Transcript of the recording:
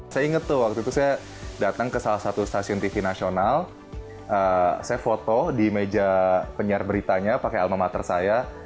saya ingat tuh waktu itu saya datang ke salah satu stasiun tv nasional saya foto di meja penyiar beritanya pakai alma mater saya